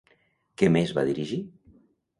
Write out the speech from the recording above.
Què més va dirigir?